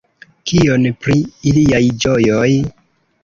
Kion pri iliaj ĝojoj?